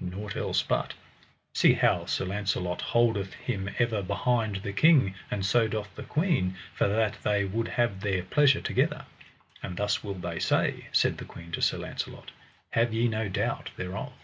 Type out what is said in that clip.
nought else but, See how Sir Launcelot holdeth him ever behind the king, and so doth the queen, for that they would have their pleasure together. And thus will they say, said the queen to Sir Launcelot, have ye no doubt thereof.